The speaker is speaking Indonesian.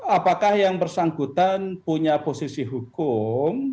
apakah yang bersangkutan punya posisi hukum